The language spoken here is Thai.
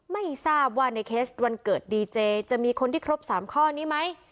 ไม่ทราบว่าในเคสวันเกิดดีเจจะมีคนที่ครบ๓ข้อนี้ไหม